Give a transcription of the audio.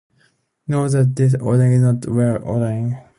Note that this ordering is not a well-ordering.